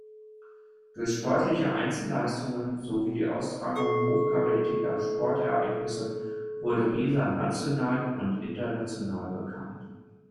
Durch sportliche Einzelleistungen sowie die Austragung hochkarätiger Sportereignisse wurde Riesa national und international bekannt.